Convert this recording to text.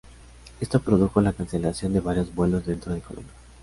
Esto produjo la cancelación de varios vuelos dentro de Colombia.